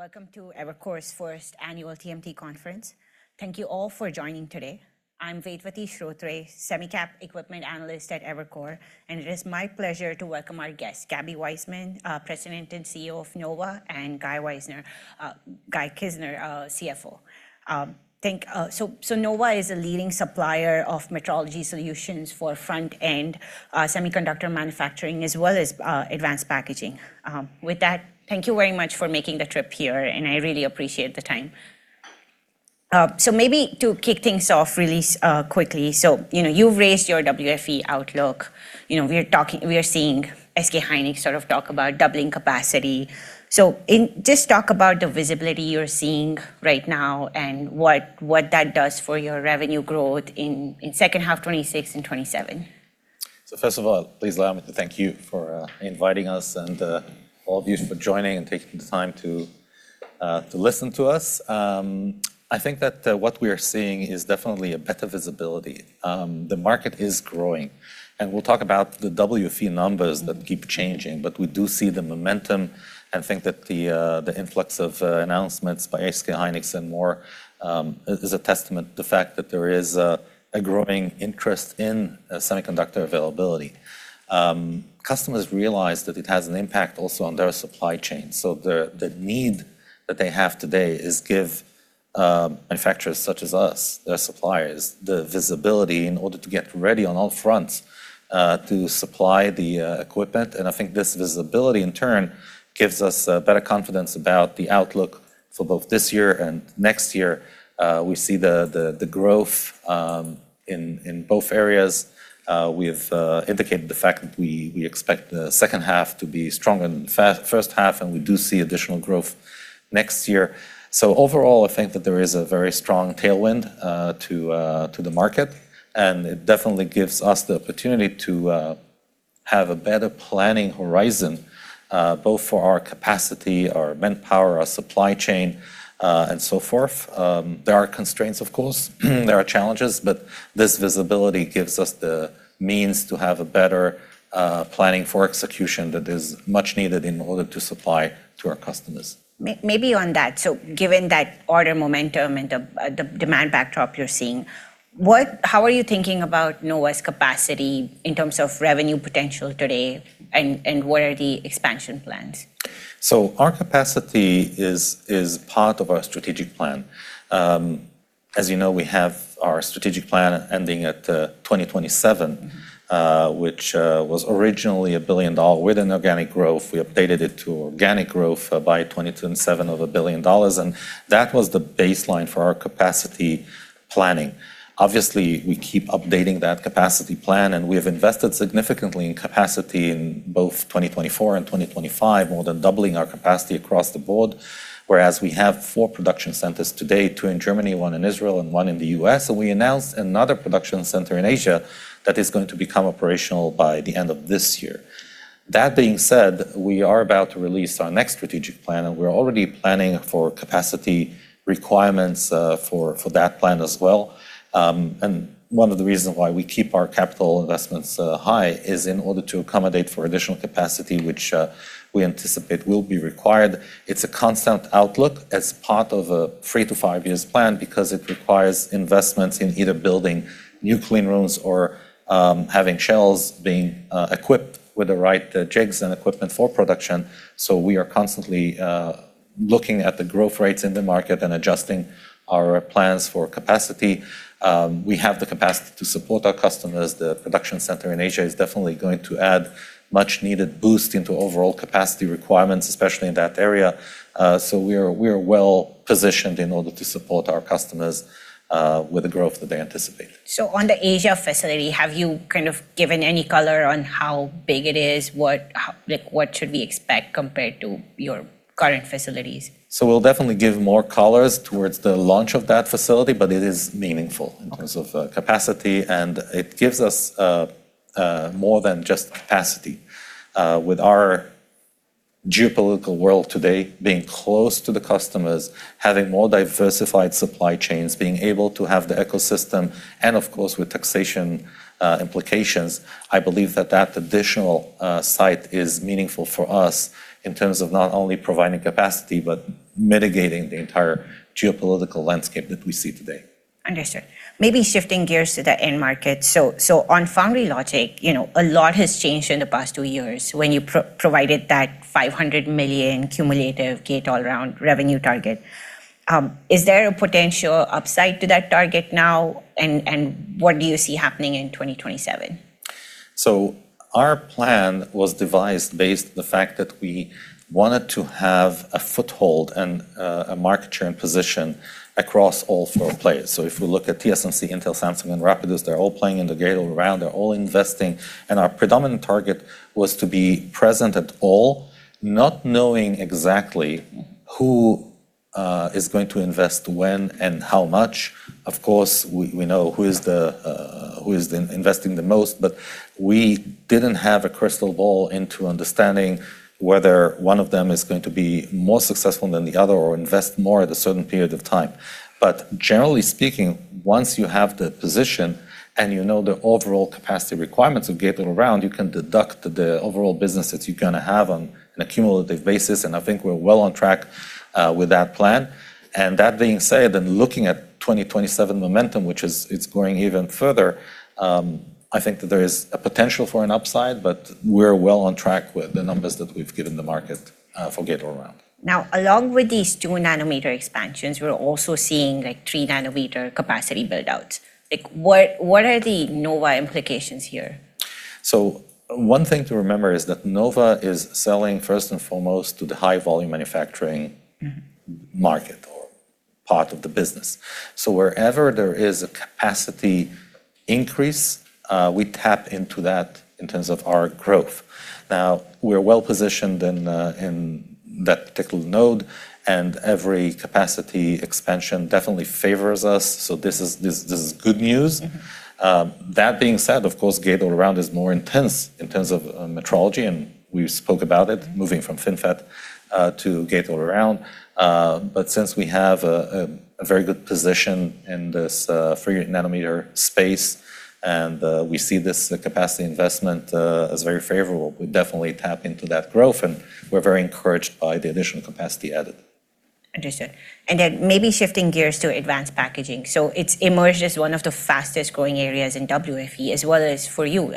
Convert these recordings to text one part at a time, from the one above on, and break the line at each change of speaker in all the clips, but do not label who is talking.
Welcome to Evercore's first annual TMT conference. Thank you all for joining today. I'm Vedvati Shrotre, at Evercore, and it is my pleasure to welcome our guests, Gaby Waisman, President and CEO of Nova, and Guy Kizner, CFO. Nova is a leading supplier of metrology solutions for front-end semiconductor manufacturing, as well as advanced packaging. With that, thank you very much for making the trip here, and I really appreciate the time. Maybe to kick things off really quickly. You've raised your WFE outlook. We are seeing SK Hynix talk about doubling capacity. Just talk about the visibility you're seeing right now and what that does for your revenue growth in second half 2026 and 2027.
First of all, please allow me to thank you for inviting us and all of you for joining and taking the time to listen to us. I think that what we are seeing is definitely a better visibility. The market is growing, and we'll talk about the WFE numbers that keep changing. We do see the momentum and think that the influx of announcements by SK Hynix and more is a testament to the fact that there is a growing interest in semiconductor availability. Customers realize that it has an impact also on their supply chain. The need that they have today is give manufacturers such as us, their suppliers, the visibility in order to get ready on all fronts to supply the equipment. I think this visibility in turn gives us better confidence about the outlook for both this year and next year. We see the growth in both areas. We have indicated the fact that we expect the second half to be stronger than first half, and we do see additional growth next year. Overall, I think that there is a very strong tailwind to the market, and it definitely gives us the opportunity to have a better planning horizon, both for our capacity, our manpower, our supply chain and so forth. There are constraints of course, there are challenges, but this visibility gives us the means to have a better planning for execution that is much needed in order to supply to our customers.
Maybe on that. Given that order momentum and the demand backdrop you're seeing, how are you thinking about Nova's capacity in terms of revenue potential today, and what are the expansion plans?
Our capacity is part of our strategic plan. As you know, we have our strategic plan ending at 2027, which was originally $1 billion with an organic growth. We updated it to organic growth by 2027 of $1 billion, and that was the baseline for our capacity planning. Obviously, we keep updating that capacity plan, and we have invested significantly in capacity in both 2024 and 2025, more than doubling our capacity across the board. Whereas we have four production centers today, two in Germany, one in Israel, and one in the U.S. We announced another production center in Asia that is going to become operational by the end of this year. That being said, we are about to release our next strategic plan, and we're already planning for capacity requirements for that plan as well. One of the reasons why we keep our capital investments high is in order to accommodate for additional capacity which we anticipate will be required. It's a constant outlook as part of a three to five years plan because it requires investments in either building new clean rooms or having shells being equipped with the right jigs and equipment for production. We are constantly looking at the growth rates in the market and adjusting our plans for capacity. We have the capacity to support our customers. The production center in Asia is definitely going to add much needed boost into overall capacity requirements, especially in that area. We are well positioned in order to support our customers with the growth that they anticipate.
On the Asia facility, have you given any color on how big it is? What should we expect compared to your current facilities?
We'll definitely give more colors towards the launch of that facility, but it is meaningful in terms of capacity, and it gives us more than just capacity. With our geopolitical world today, being close to the customers, having more diversified supply chains, being able to have the ecosystem and of course with taxation implications, I believe that that additional site is meaningful for us in terms of not only providing capacity, but mitigating the entire geopolitical landscape that we see today.
Understood. Maybe shifting gears to the end-market. On foundry logic, a lot has changed in the past two years when you provided that $500 million cumulative gate-all-around revenue target. Is there a potential upside to that target now, and what do you see happening in 2027?
Our plan was devised based on the fact that we wanted to have a foothold and a market share and position across all four players. If we look at TSMC, Intel, Samsung and Rapidus, they're all playing in the gate-all-around. They're all investing. Our predominant target was to be present at all, not knowing exactly who is going to invest when and how much? Of course, we know who is investing the most, but we didn't have a crystal ball into understanding whether one of them is going to be more successful than the other or invest more at a certain period of time. Generally speaking, once you have the position and you know the overall capacity requirements of gate-all-around, you can deduct the overall business that you're going to have on an accumulative basis, and I think we're well on track with that plan. That being said, and looking at 2027 momentum, which is going even further, I think that there is a potential for an upside, but we're well on track with the numbers that we've given the market for gate-all-around.
Along with these 2 nm expansions, we're also seeing 3 nm capacity build-outs. What are the Nova implications here?
One thing to remember is that Nova is selling first and foremost to the high volume manufacturing market or part of the business. Wherever there is a capacity increase, we tap into that in terms of our growth. Now, we're well positioned in that particular node, and every capacity expansion definitely favors us. This is good news. That being said, of course, gate-all-around is more intense in terms of metrology, and we spoke about it, moving from FinFET to gate-all-around. Since we have a very good position in this 3 nm space and we see this capacity investment as very favorable, we definitely tap into that growth, and we're very encouraged by the additional capacity added.
Understood. Maybe shifting gears to advanced packaging. It's emerged as one of the fastest-growing areas in WFE as well as for you.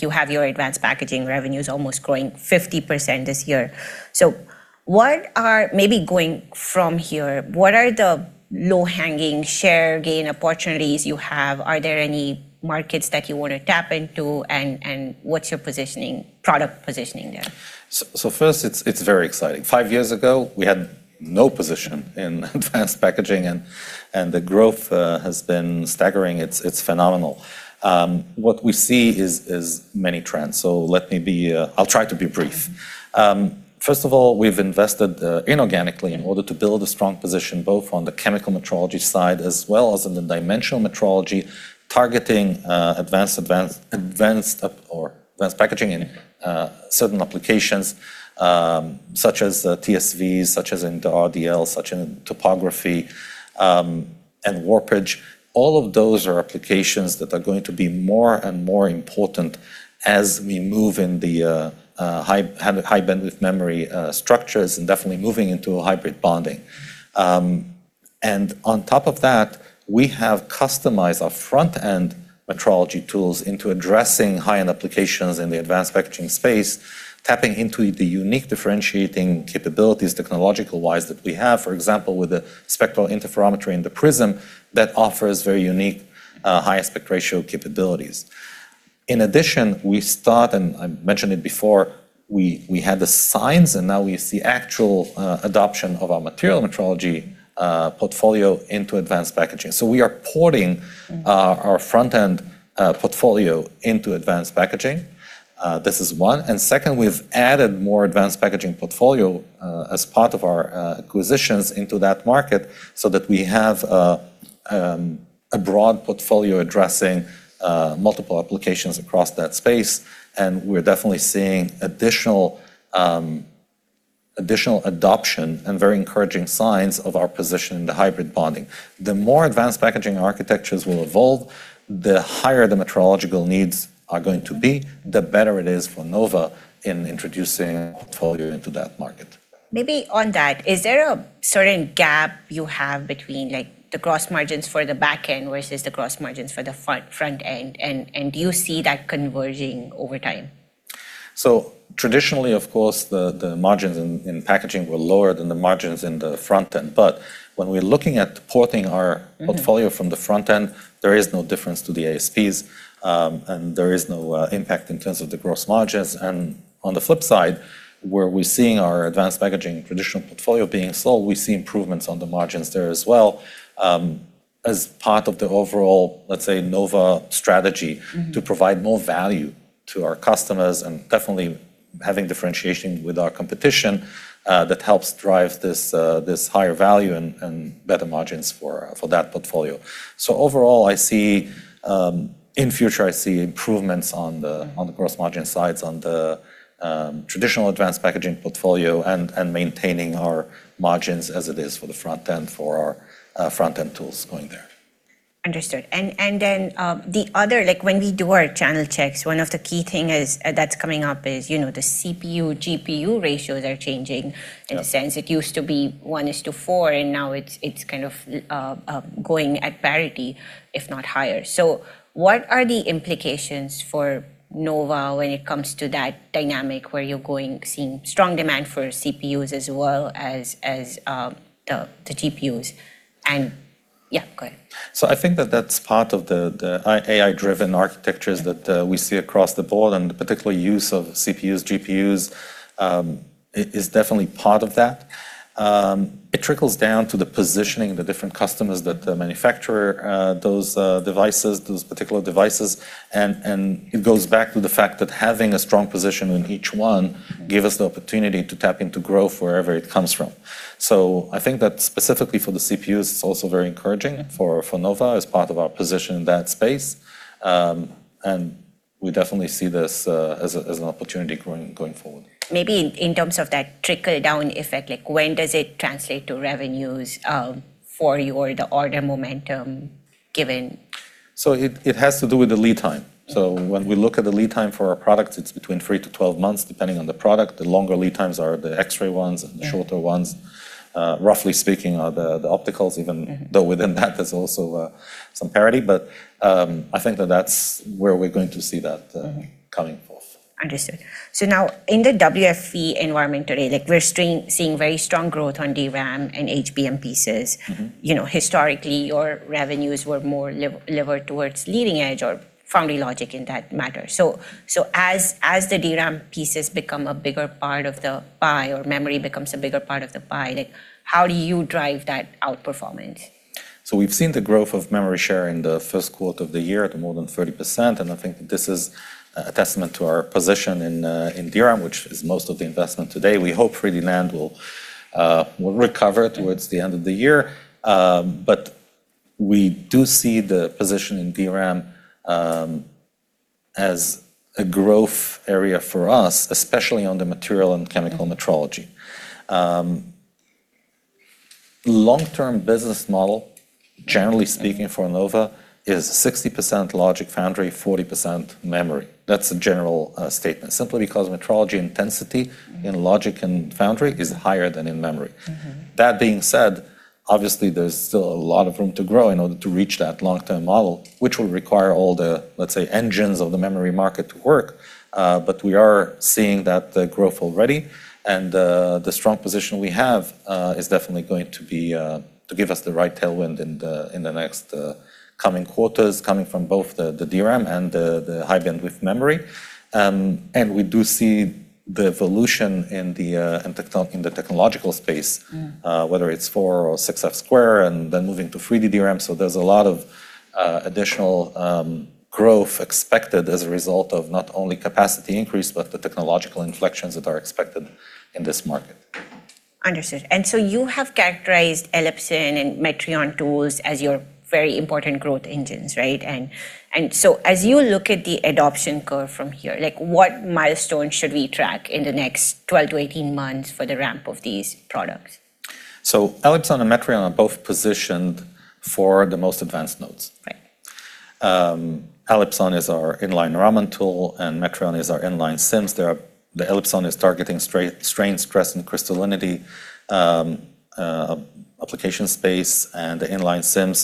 You have your advanced packaging revenues almost growing 50% this year. Maybe going from here, what are the low-hanging share gain opportunities you have? Are there any markets that you want to tap into, and what's your product positioning there?
First, it's very exciting. Five years ago, we had no position in advanced packaging, and the growth has been staggering. It's phenomenal. What we see is many trends. I'll try to be brief. First of all, we've invested inorganically in order to build a strong position, both on the chemical metrology side as well as in the dimensional metrology, targeting advanced packaging in certain applications such as the TSVs, such as in the RDL, such in topography, and warpage. All of those are applications that are going to be more and more important as we move in the high bandwidth memory structures and definitely moving into a hybrid bonding. On top of that, we have customized our front-end metrology tools into addressing high-end applications in the advanced packaging space, tapping into the unique differentiating capabilities technological-wise that we have. For example, with the spectral interferometry in the PRISM that offers very unique, high aspect ratio capabilities. We start, and I mentioned it before, we had the signs, and now we see actual adoption of our material metrology portfolio into advanced packaging. We are porting our front-end portfolio into advanced packaging. This is one. Second, we've added more advanced packaging portfolio as part of our acquisitions into that market that we have a broad portfolio addressing multiple applications across that space, and we're definitely seeing additional adoption and very encouraging signs of our position in the hybrid bonding. The more advanced packaging architectures will evolve, the higher the metrological needs are going to be, the better it is for Nova in introducing a portfolio into that market.
Maybe on that, is there a certain gap you have between the gross margins for the back end versus the gross margins for the front end? Do you see that converging over time?
Traditionally, of course, the margins in packaging were lower than the margins in the front end. When we're looking at porting portfolio from the front end, there is no difference to the ASPs, and there is no impact in terms of the gross margins. On the flip side, where we're seeing our advanced packaging traditional portfolio being sold, we see improvements on the margins there as well, as part of the overall, let's say, Nova strategy to provide more value to our customers and definitely having differentiation with our competition that helps drive this higher value and better margins for that portfolio. Overall, in future, I see improvements on the gross margin sides on the traditional advanced packaging portfolio and maintaining our margins as it is for the front end, for our front-end tools going there.
Understood. The other, when we do our channel checks, one of the key thing that's coming up is the CPU, GPU ratios are changing
Sure
in a sense. It used to be 1:4, and now it's kind of going at parity, if not higher. What are the implications for Nova when it comes to that dynamic, where you're seeing strong demand for CPUs as well as the GPUs? Yeah, go ahead.
I think that that's part of the AI-driven architectures that we see across the board, and particularly use of CPUs, GPUs, is definitely part of that. It trickles down to the positioning of the different customers that manufacture those particular devices. It goes back to the fact that having a strong position in each one give us the opportunity to tap into growth wherever it comes from. I think that specifically for the CPUs, it's also very encouraging for Nova as part of our position in that space. We definitely see this as an opportunity going forward.
Maybe in terms of that trickle-down effect, when does it translate to revenues for you or the order momentum given?
It has to do with the lead time. When we look at the lead time for our products, it's between 3 to 12 months, depending on the product. The longer lead times are the X-ray ones.
Yeah.
The shorter ones, roughly speaking, are the opticals, even though within that there's also some parity. I think that that's where we're going to see that coming forth.
Understood. Now in the WFE environment today, we're seeing very strong growth on DRAM and HBM pieces. Historically, your revenues were more levered towards leading edge or foundry logic in that matter. As the DRAM pieces become a bigger part of the pie or memory becomes a bigger part of the pie, how do you drive that outperformance?
We've seen the growth of memory share in the first quarter of the year at more than 30%, and I think that this is a testament to our position in DRAM, which is most of the investment today. We hope 3D NAND will recover towards the end of the year. We do see the position in DRAM as a growth area for us, especially on the material and chemical metrology. Long-term business model, generally speaking for Nova, is 60% logic foundry, 40% memory. That's a general statement simply because metrology intensity in logic and foundry is higher than in memory. That being said, obviously there's still a lot of room to grow in order to reach that long-term model, which will require all the, let's say, engines of the memory market to work. We are seeing that growth already, and the strong position we have is definitely going to give us the right tailwind in the next coming quarters, coming from both the DRAM and the high-bandwidth memory. We do see the evolution in the technological space. whether it's 4F-or 6F-squared, and then moving to 3D DRAM. There's a lot of additional growth expected as a result of not only capacity increase, but the technological inflections that are expected in this market.
Understood. You have characterized ELIPSON and Metrion tools as your very important growth engines, right? As you look at the adoption curve from here, what milestones should we track in the next 12 to 18 months for the ramp of these products?
ELIPSON and Metrion are both positioned for the most advanced nodes.
Right.
ELIPSON is our in-line Raman tool, and Metrion is our in-line SIMS. The ELIPSON is targeting strain, stress, and crystallinity application space, and the in-line SIMS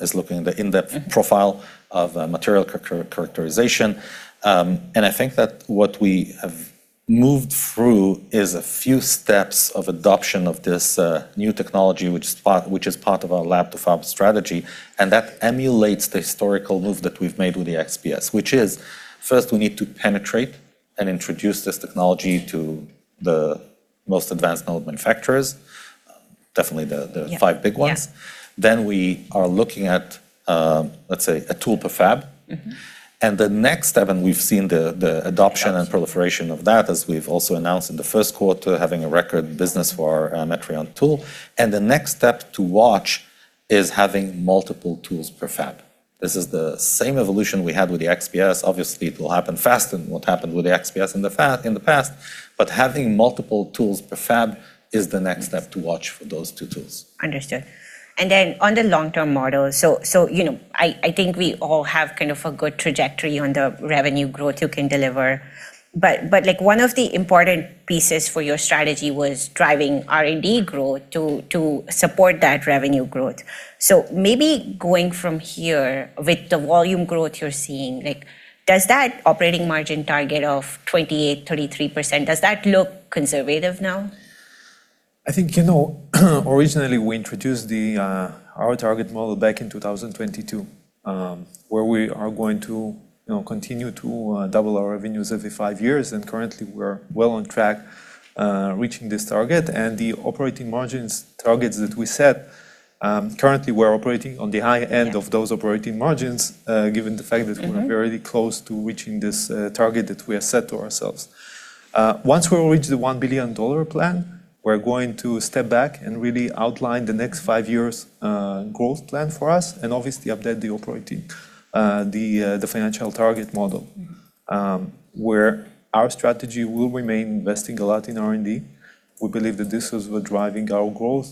is looking at the in-depth profile of material characterization. I think that what we have moved through is a few steps of adoption of this new technology, which is part of our lab-to-fab strategy, and that emulates the historical move that we've made with the XPS, which is first we need to penetrate and introduce this technology to the most advanced node manufacturers. Definitely the five big ones.
Yeah.
We are looking at, let's say, a tool per fab. The next step, and we've seen the adoption and proliferation of that as we've also announced in the first quarter, having a record business for our Metrion tool. The next step to watch is having multiple tools per fab. This is the same evolution we had with the XPS. Obviously, it will happen faster than what happened with the XPS in the past. Having multiple tools per fab is the next step to watch for those two tools.
Understood. Then on the long-term model, I think we all have kind of a good trajectory on the revenue growth you can deliver. One of the important pieces for your strategy was driving R&D growth to support that revenue growth. Maybe going from here with the volume growth you're seeing, does that operating margin target of 28%-33%, does that look conservative now?
I think, originally we introduced our target model back in 2022, where we are going to continue to double our revenues every five years. Currently, we're well on track reaching this target. The operating margins targets that we set, currently we're operating on the high end of those operating margins given the fact that we're very close to reaching this target that we have set to ourselves. Once we reach the $1 billion plan, we're going to step back and really outline the next five years' growth plan for us and obviously update the financial target model, where our strategy will remain investing a lot in R&D. We believe that this is what's driving our growth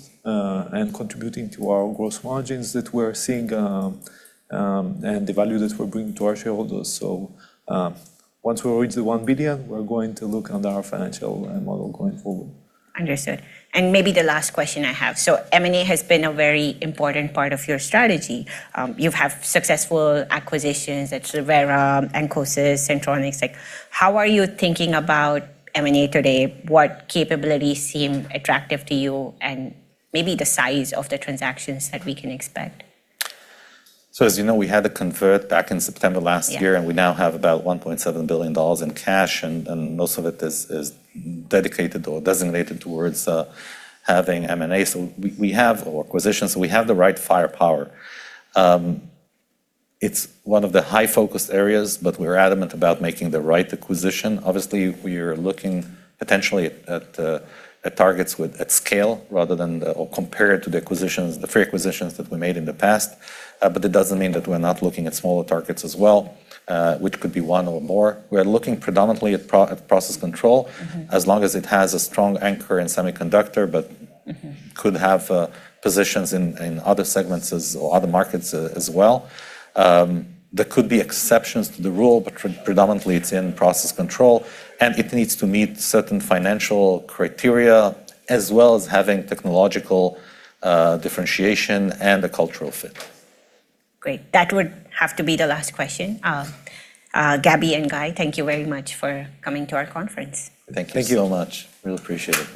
and contributing to our gross margins that we're seeing and the value that we're bringing to our shareholders. Once we reach the $1 billion, we're going to look under our financial model going forward.
Understood. M&A has been a very important part of your strategy. You've had successful acquisitions at ReVera, ancosys, Sentronics. How are you thinking about M&A today? What capabilities seem attractive to you, and maybe the size of the transactions that we can expect?
As you know, we had the convert back in September last year.
Yeah.
We now have about $1.7 billion in cash, and most of it is dedicated or designated towards having M&A. We have acquisitions. We have the right firepower. It's one of the high focus areas, but we're adamant about making the right acquisition. Obviously, we are looking potentially at targets at scale rather than, or compared to the acquisitions, the three acquisitions that we made in the past. It doesn't mean that we're not looking at smaller targets as well, which could be one or more. We are looking predominantly at process control as long as it has a strong anchor in semiconductor but could have positions in other segments or other markets as well. There could be exceptions to the rule, but predominantly it's in process control, and it needs to meet certain financial criteria as well as having technological differentiation and a cultural fit.
Great. That would have to be the last question. Gaby and Guy, thank you very much for coming to our conference.
Thank you. Thank you so much. Really appreciate it.